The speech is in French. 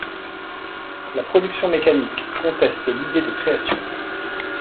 La production mécanique conteste l'idée de création.